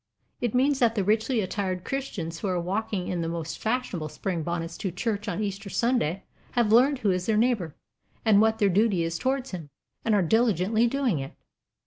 It means that the richly attired Christians who are walking in the most fashionable spring bonnets to church on Easter Sunday have learned who is their neighbor, and what their duty is towards him, and are diligently doing it."